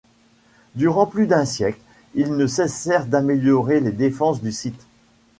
Durant plus d'un siècle ils ne cessèrent d'améliorer les défenses du site.